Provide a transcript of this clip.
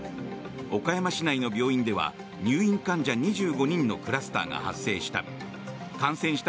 岡山市内の病院では入院患者２５人のクラスターが発生した。